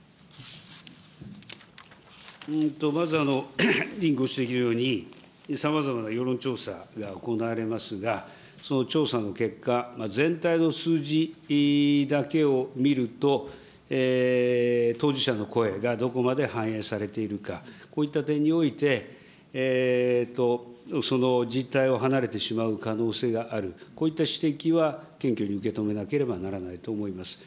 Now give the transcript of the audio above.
まず、委員ご指摘のようにさまざまな世論調査が行われますが、その調査の結果、全体の数字だけを見ると、当事者の声がどこまで反映されているか、こういった点において、その実態を離れてしまう可能性がある、こういった指摘は謙虚に受け止めなければならないと思います。